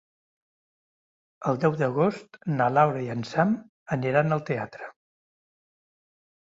El deu d'agost na Laura i en Sam aniran al teatre.